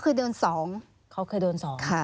เขาเคยโดน๒